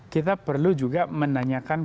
kita perlu juga menanyakan